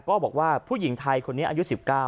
ก็บอกว่าผู้หญิงไทยคนนี้อายุ๑๙